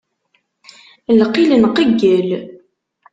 Lqil nqeyyel.